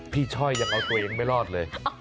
ช่อยยังเอาตัวเองไม่รอดเลย